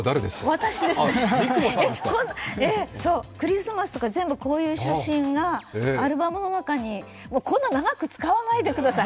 私ですね、クリスマスとか全部、こういう写真がアルバムの中にこんな長く使わないでください。